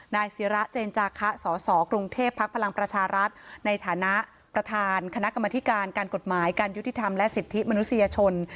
ศิระเจนจาคะสสกรุงเทพภักดิ์พลังประชารัฐในฐานะประธานคณะกรรมธิการการกฎหมายการยุติธรรมและสิทธิมนุษยชน